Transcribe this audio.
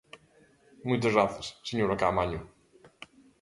Moitas grazas, señora Caamaño.